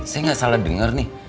saya ga salah denger nih